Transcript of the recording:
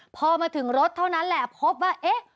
พอมาถึงรถเท่านั้นแหละพบว่าเอ๊ะ